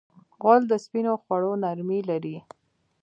غول د سپینو خوړو نرمي لري.